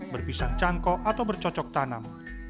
berpisang cangkok atau bercocok tanam